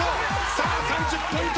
さあ３０ポイント